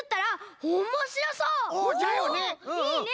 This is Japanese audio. いいね！